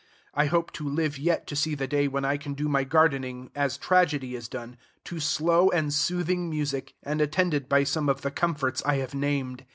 I hope to live yet to see the day when I can do my gardening, as tragedy is done, to slow and soothing music, and attended by some of the comforts I have named.